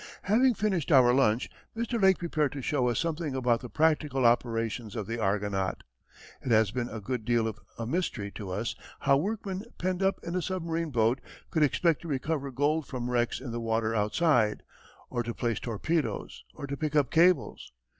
Having finished our lunch, Mr. Lake prepared to show us something about the practical operations of the Argonaut. It has been a good deal of a mystery to us how workmen penned up in a submarine boat could expect to recover gold from wrecks in the water outside, or to place torpedoes, or to pick up cables.